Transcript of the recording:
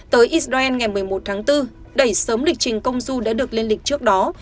tới israel ngày một mươi một tháng bốn đẩy sớm lịch trình công du đã được lên lịch trước đó